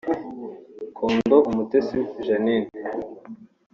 Condo Umutesi Jeanine